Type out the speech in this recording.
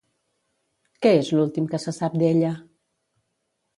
Què és l'últim que se sap d'ella?